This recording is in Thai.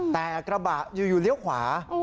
แต่กระบะอยู่เลี้ยวขวา